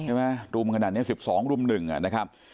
ใช่ไหมรุมขนาดนี้๑๒รุม๑นะครับ